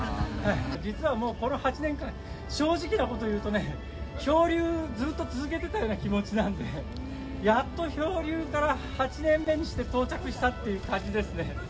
実はもうこの８年間、正直なこと言うとね、漂流、ずっと続けてたような気持ちなんで、やっと漂流から８年目にして到着したって感じですね。